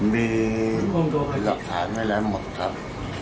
มีรักษาไม่แล้วหมดครับ